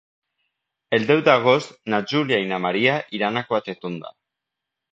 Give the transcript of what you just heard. El deu d'agost na Júlia i na Maria iran a Quatretonda.